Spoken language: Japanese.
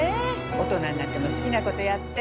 大人になっても好きなことやって。